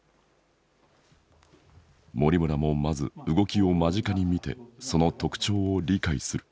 森村もまず動きを間近に見てその特徴を理解する。